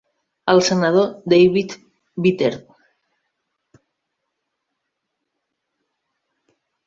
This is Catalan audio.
El senador David Vitter.